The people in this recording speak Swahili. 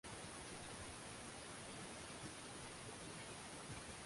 aliye dhuhurika na moto huo ingawaje bado